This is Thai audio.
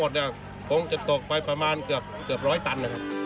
ถ้าจะหมดคงจะตกไปประมาณเกือบ๑๐๐ตัน